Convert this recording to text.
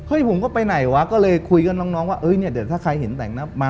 เออไม่เห็นไม่ได้ลงมา